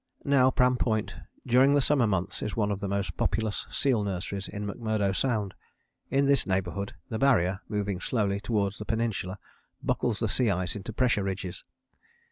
Now Pram Point during the summer months is one of the most populous seal nurseries in McMurdo Sound. In this neighbourhood the Barrier, moving slowly towards the Peninsula, buckles the sea ice into pressure ridges.